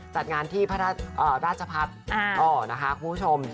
จัดงานที่ราชภัทรอ๋อคุณผู้ชม